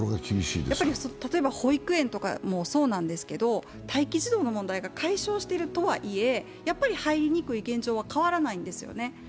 例えば保育園とかもそうなんですけど、待機児童の問題が解消してるとはいえやっぱり入りにくい現状は変わらないんですよね。